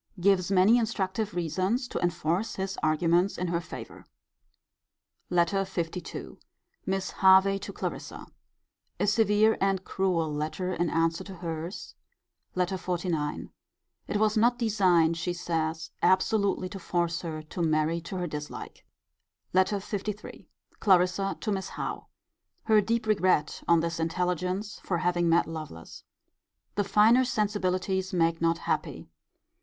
Gives many instructive reasons to enforce his arguments in her favour. LETTER LII. Mrs. Hervey to Clarissa. A severe and cruel letter in answer to her's, Letter XLIX. It was not designed, she says, absolutely to force her to marry to her dislike. LETTER LIII. Clarissa to Miss Howe. Her deep regret on this intelligence, for having met Lovelace. The finer sensibilities make not happy.